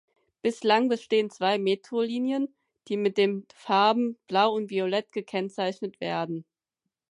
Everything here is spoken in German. Bislang bestehen zwei Metro-Linien, die mit den Farben blau und violett gekennzeichnet werden.